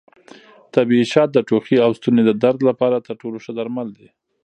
طبیعي شات د ټوخي او ستوني درد لپاره تر ټولو ښه درمل دي.